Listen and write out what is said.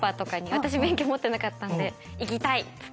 私免許持ってなかったんで行きたい！って。